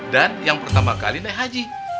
dan yang pertama kali naik haji